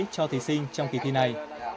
cho thí sinh trong kỳ thi này